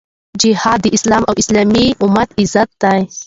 جهاد د اسلام او اسلامي امت عزت دی.